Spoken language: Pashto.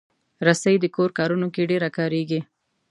رسۍ د کور کارونو کې ډېره کارېږي.